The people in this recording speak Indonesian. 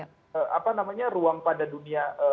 apa namanya ruang pada dunia